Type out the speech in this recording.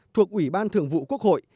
thuộc ủy ban thường vụ quốc hội